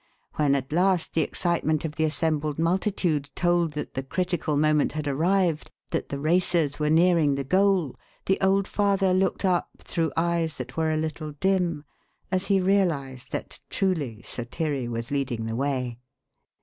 When at last the excitement of the assembled multitude told that the critical moment had arrived, that the racers were nearing the goal, the old father looked up through eyes that were a little dim as he realized that truly Sotiri was leading the way.